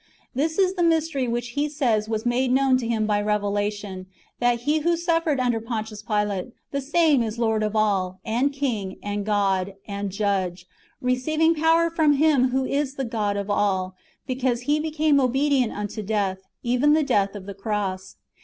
'' This is the mystery which he says was made known to him by revelation, that He who suffered under Pontius Pilate^ the same is Lord of all, and I^ing, and God, and Judge, receiving power from Him who is the God of all, because He became " obedient unto death, even the death of the cross."